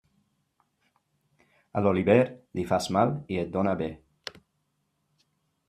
A l'oliver, li fas mal i et dóna bé.